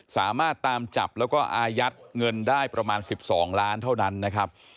สามารถตามจับแล้วก็อายัดเงินได้ประมาณ๑๒ล้านเท่านั้นนะครับ